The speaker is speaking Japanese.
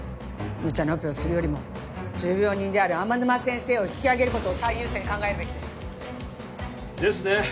ムチャなオペをするよりも重病人である天沼先生を引き上げることを最優先に考えるべきですですね